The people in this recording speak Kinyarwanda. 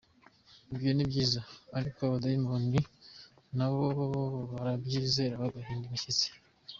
Ibyo ni byiza, ariko abadayimoni na bo barabyizera bagahinda imishyitsi.